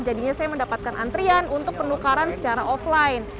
jadinya saya mendapatkan antrian untuk penukaran secara offline